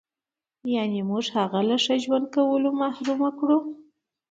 یعنې موږ هغه له ښه ژوند کولو محروم کړو.